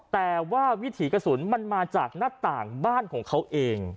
แต่ว่าวิถีกระสุนมันมาจากหน้าต่างบ้านของเขาเอง